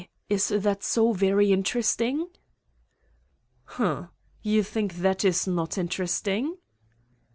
Is that so very interesting?" "Hm! ... You think that is not interesting?"